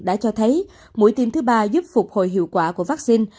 đã cho thấy mũi tiêm thứ ba giúp phục hồi hiệu quả của vaccine